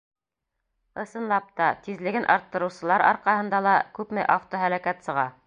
Ысынлап та, тиҙлеген арттырыусылар арҡаһында ла күпме автоһәләкәт сыға.